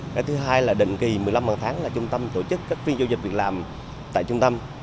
cái thứ hai là định kỳ một mươi năm bằng tháng là trung tâm tổ chức các phi doanh nghiệp việc làm tại trung tâm